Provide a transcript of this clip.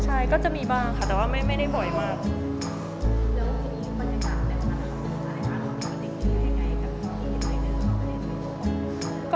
ใช่ค่ะค่อยก็จะมีบางค่ะแต่ไม่ได้บ่อยมาก